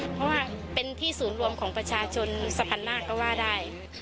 เพราะว่าเป็นที่ศูนย์รวมของประชาชนสะพานมากก็ว่าได้